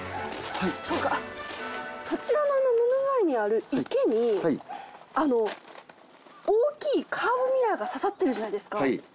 はいそちらの目の前にある池に大きいカーブミラーが刺さってるじゃないですか